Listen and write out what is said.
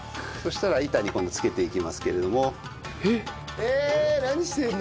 そしたら板に付けていきますけれども。